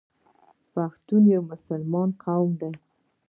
پښتون یو مسلمان قوم دی.